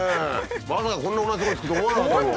まさかこんな同じとこに付くと思わなかったもん。